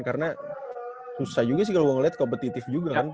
karena susah juga sih kalau gue ngeliat kompetitif juga kan